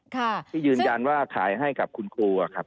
ที่ยืนยันว่าขายให้กับคุณครู